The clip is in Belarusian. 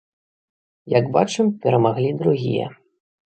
Як бачым, перамаглі другія.